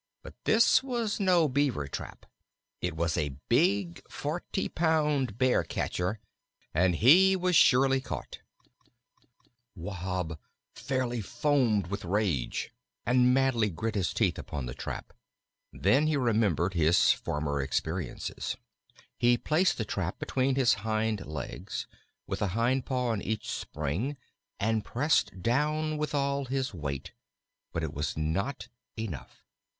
But this was no Beaver trap; it was a big forty pound Bear catcher, and he was surely caught. Wahb fairly foamed with rage, and madly grit his teeth upon the trap. Then he remembered his former experiences. He placed the trap between his hind legs, with a hind paw on each spring, and pressed down with all his weight. But it was not enough.